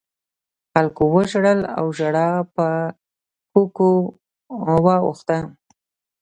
خلکو وژړل او ژړا په کوکو واوښته.